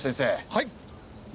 はい。